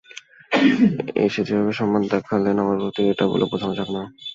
এসে যেভাবে সম্মান দেখালেন আমার প্রতি, এটা বলে বোঝানো যাবে না।